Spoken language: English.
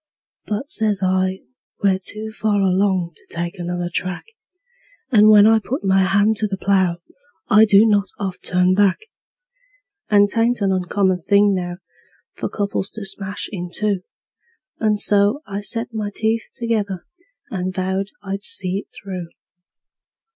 "But," says I, "we're too far along to take another track, And when I put my hand to the plow I do not oft turn back; And 'tain't an uncommon thing now for couples to smash in two;" And so I set my teeth together, and vowed I'd see it through.